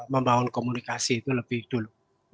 membangun komunikasi itu lebih dulu